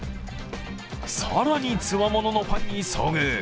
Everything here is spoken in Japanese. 更につわもののファンに遭遇。